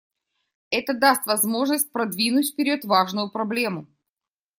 Это даст возможность продвинуть вперед важную проблему.